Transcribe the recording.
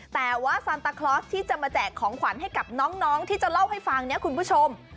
แต่ว่าซันตาคลอสที่จะมาแจกของขวัญให้กับน้องที่จะเล่าให้ฟังเนี่ยคุณผู้ชม